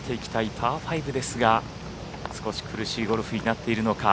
パー５ですが少し苦しいゴルフになっているのか